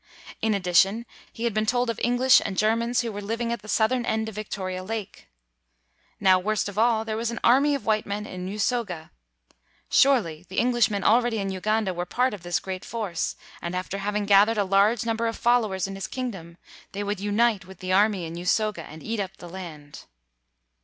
In addi tion, he had been told of English and Ger mans who were living at the southern end of Victoria Lake. Now, worst of all, there was an army of white men in Usoga. Surely, the Englishmen already in Uganda were part of this great force and, after hav ing gathered a large number of followers in his kingdom, they would unite with the 203 WHITE MAN OF WORK army in Usoga and "eat up the land."